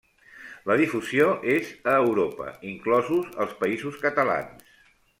La difusió és a Europa, inclosos els Països Catalans.